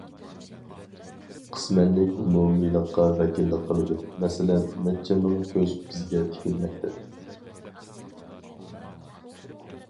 قىسمەنلىك ئومۇمىيلىققا ۋەكىللىك قىلىدۇ. مەسىلەن، نەچچە مىڭ كۆز بىزگە تىكىلمەكتە.